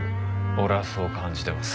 俺はそう感じてます。